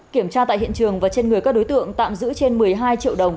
kiểm tra tại hiện trường và trên người các đối tượng tạm giữ trên một mươi hai triệu đồng